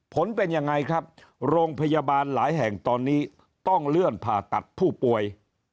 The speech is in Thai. ผลเป็นยังไงครับโรงพยาบาลหลายแห่งตอนนี้ต้องเลื่อนผ่าตัดผู้ป่วย